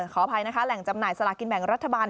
ขออภัยนะคะแหล่งจำหน่ายสลากินแบ่งรัฐบาล